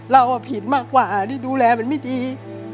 เราผิดมากกว่าที่ดูแลมันไม่ดี